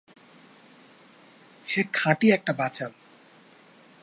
সে খাঁটি একটা বাচাল।